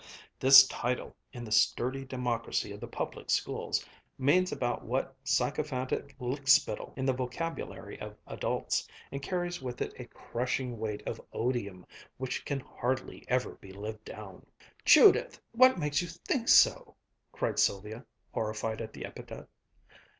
This title, in the sturdy democracy of the public schools, means about what "sycophantic lickspittle" means in the vocabulary of adults, and carries with it a crushing weight of odium which can hardly ever be lived down. "Judith, what makes you think so?" cried Sylvia, horrified at the epithet.